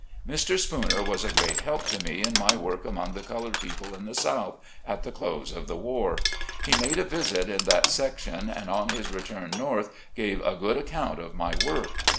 Mr. Spooner was a great help to me in my work among the colored people in the South, at the close of. the war. He made a visit in that section, and on his return North, gave a good account of my work.